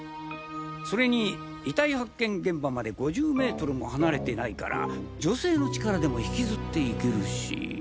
それに遺体発見現場まで５０ｍも離れてないから女性の力でも引きずって行けるし。